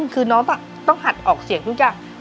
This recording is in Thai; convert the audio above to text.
คือน้องต้องหัดออกเสียงทุกอย่าง